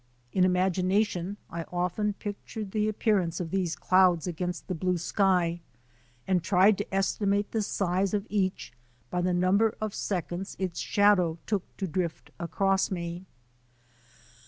In imagination I often pictured the appearance of these clouds against the blue sky and tried to esti mate the size of each by the number of seconds its shadow took to drift across me.